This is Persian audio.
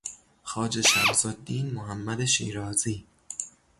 خواجه شمسالدین محمد شیرازی